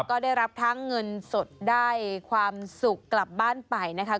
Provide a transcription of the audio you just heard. ก็ได้รับทั้งเงินสดได้ความสุขกลับบ้านไปนะคะ